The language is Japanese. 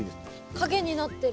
影になってる。